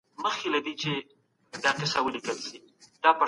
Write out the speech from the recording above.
آیا ته غواړې چي یو ښه لیکوال سې؟